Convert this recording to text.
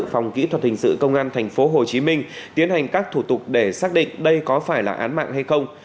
phòng kỹ thuật hình sự công an tp hcm tiến hành các thủ tục để xác định đây có phải là án mạng hay không